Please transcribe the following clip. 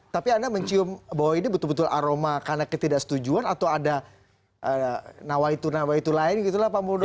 tapi anda mencium bahwa ini betul betul aroma karena ketidaksetujuan atau ada nawaitu nawaitu lain gitu lah pak muldo